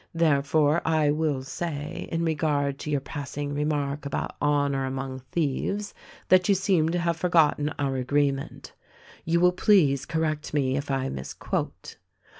Therefore I will say, in regard to your passing remark about honor among thieves, that you seem to have for gotten our agreement. You will please correct me if I misquote.